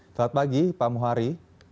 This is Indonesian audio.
selamat pagi pak muhari